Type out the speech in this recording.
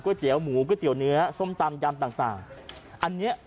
เตี๋ยวหมูก๋วยเตี๋ยวเนื้อส้มตำยำต่างต่างอันเนี้ย